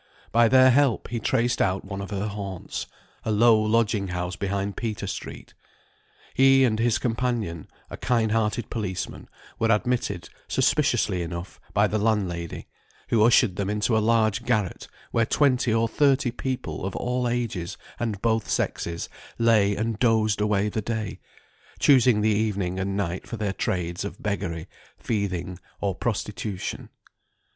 By their help he traced out one of her haunts, a low lodging house behind Peter Street. He and his companion, a kind hearted policeman, were admitted, suspiciously enough, by the landlady, who ushered them into a large garret where twenty or thirty people of all ages and both sexes lay and dozed away the day, choosing the evening and night for their trades of beggary, thieving, or prostitution.